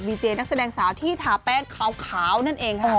เจนักแสดงสาวที่ทาแป้งขาวนั่นเองค่ะ